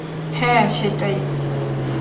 হ্যাঁ, সেটাই।